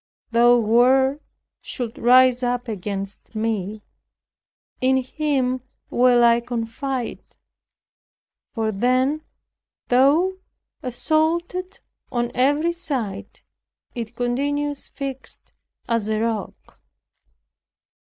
Though war should rise up against me, in him will I confide." For then, though assaulted on every side, it continues fixed as a rock.